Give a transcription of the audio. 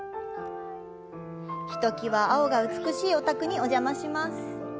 ひときわ青が美しいお宅にお邪魔します。